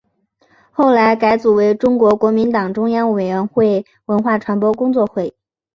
后来改组为中国国民党中央委员会文化传播工作会。